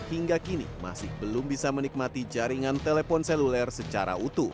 hingga kini masih belum bisa menikmati jaringan telepon seluler secara utuh